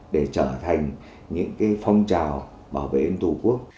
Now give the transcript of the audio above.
để trở thành những phong trào bảo vệ an tổ quốc